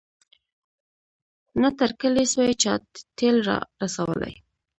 نه تر کلي سوای چا تېل را رسولای